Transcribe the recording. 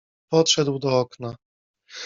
Podszedł do okna.